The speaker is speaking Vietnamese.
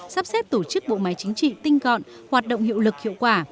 sắp xếp tổ chức bộ máy chính trị tinh gọn hoạt động hiệu lực hiệu quả